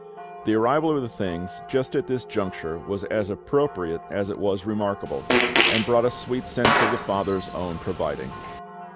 The arrival of the things just at this juncture was as appropriate as it was remarkable, and brought a sweet sense of the FATHER'S own providing.